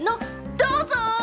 どうぞ！